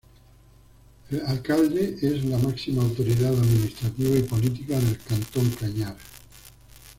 El Alcalde es la máxima autoridad administrativa y política del Cantón Cañar.